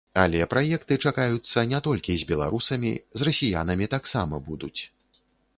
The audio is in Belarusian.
Але праекты чакаюцца не толькі з беларусамі, з расіянамі таксама будуць.